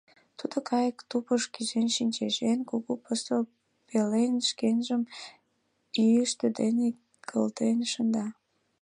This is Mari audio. Тудо кайык тупыш кӱзен шинчеш, эн кугу пыстыл пелен шкенжым ӱштӧ дене кылден шында.